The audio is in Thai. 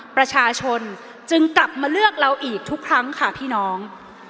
ประชาชนจึงกลับมาเลือกเราอีกทุกครั้งค่ะพี่น้อง